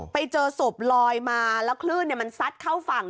ไปเจอศพลอยมาแล้วคลื่นมันซัดเข้าฝั่ง